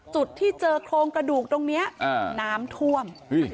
จุดที่เจอโครงกระดูกตรงนี้น้ำท่วม